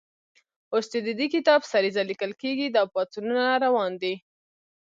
اوس چې د دې کتاب سریزه لیکل کېږي، دا پاڅونونه روان دي.